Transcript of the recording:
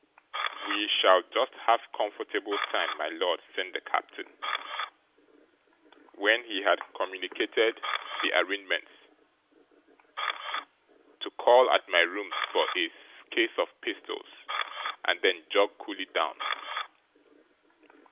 'We shall just have comfortable time, my lord,' said the captain, when he had communicated the arrangements, 'to call at my rooms for a case of pistols, and then jog coolly down.